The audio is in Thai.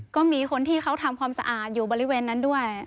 ก็มีคนที่เขาทำความสะอาดอยู่บริเวณนั้นด้วย